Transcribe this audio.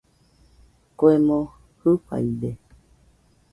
Kue moo Jɨfaide